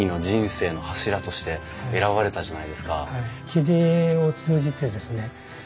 切り絵を通じてですね